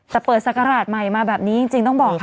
แต่เปิดศักราชใหม่มาแบบนี้จริงต้องบอกค่ะ